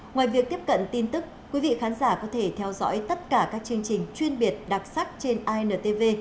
ngoài việc tiếp cận tin tức quý vị khán giả có thể theo dõi tất cả các chương trình chuyên biệt đặc sắc trên intv